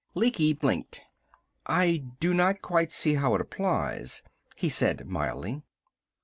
Lecky blinked. "I do not quite see how it applies," he said mildly.